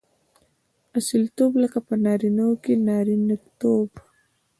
اصیلتوب؛ لکه په نارينه وو کښي نارينه توب.